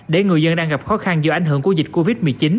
để người dân đang gặp khó khăn do ảnh hưởng của dịch covid một mươi chín